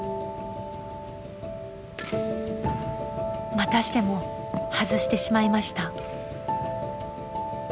またしても外してしまいました。